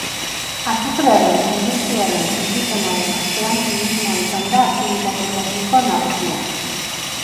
Azukrearen industriaren suntsipenaren ostean turismoa izan da aktibitate ekonomiko nagusia.